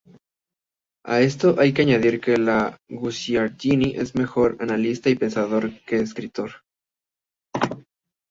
A esto hay que añadir que Guicciardini es mejor analista y pensador que escritor.